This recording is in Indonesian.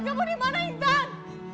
intan kamu dimana intan